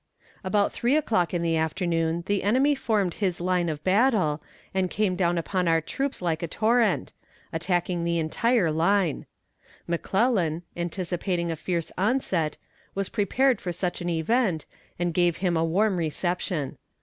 About three o'clock in the afternoon the enemy formed his line of battle, and came down upon our troops like a torrent attacking the entire line. McClellan, anticipating a fierce onset, was prepared for such an event, and gave him a warm reception.